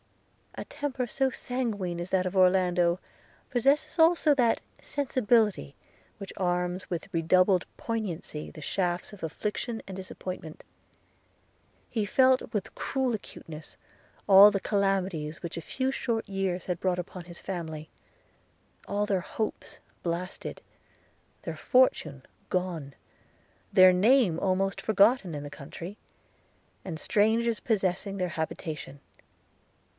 A temper so sanguine as that of Orlando, possesses also that sensibility which arms with redoubled poignancy the shafts of affliction and disappointment. He felt, with cruel acuteness, all the calamities which a few short years had brought upon his family: – all their hopes blasted – their fortune gone – their name almost forgotten in the country – and strangers possessing their habitation.